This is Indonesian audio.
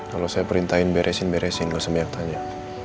kalau saya perintahin beresin beresin gak semia tanya